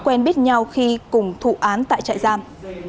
quen biết nhau khi cùng thụ án tại trại giam